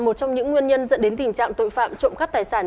một trong những nguyên nhân dẫn đến tình trạng tội phạm trộm cắp tài sản